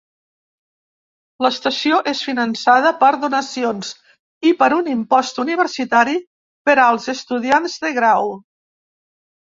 L'estació és finançada per donacions i per un impost universitari per als estudiants de grau.